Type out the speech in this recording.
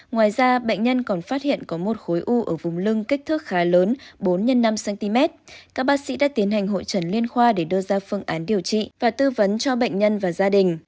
ngoài ra bệnh nhân còn phát hiện có một khối u ở vùng lưng kích thước khá lớn các bác sĩ đã tiến hành hội chẩn liên khoa để đưa ra phương án điều trị và tư vấn cho bệnh nhân và gia đình